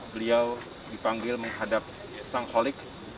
beliau dipanggil menghadap sang holik